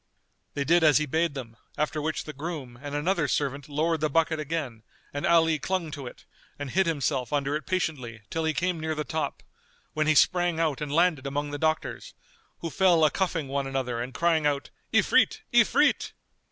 They did as he bade them; after which the groom and another servant lowered the bucket again and Ali clung to it and hid himself under it patiently till he came near the top, when he sprang out and landed among the doctors, who fell a cuffing one another and crying out, "Ifrit! Ifrit!"